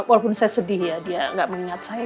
walaupun saya sedih ya dia nggak mengingat saya